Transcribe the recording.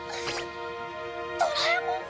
ドラえもんを！